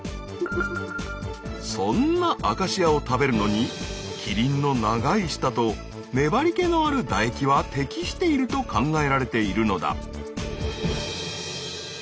そんなアカシアを食べるのにキリンの長い舌と粘りけのある唾液は適していると考えられているのだ。